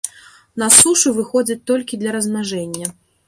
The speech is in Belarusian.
На сушу выходзяць толькі для размнажэння.